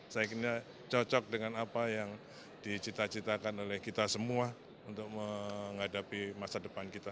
saya kira cocok dengan apa yang dicita citakan oleh kita semua untuk menghadapi masa depan kita